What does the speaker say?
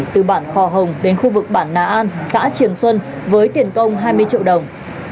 từ bản khò hồng đến khu vực bản nà an xã trường xuân với tiền công hai mươi triệu đồng